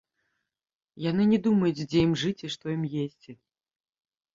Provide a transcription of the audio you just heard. Яны не думаюць, дзе ім жыць і што ім есці.